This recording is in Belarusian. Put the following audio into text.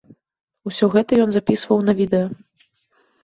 Усё гэта ён запісваў на відэа.